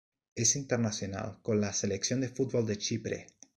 Es internacional con la selección de fútbol de Chipre.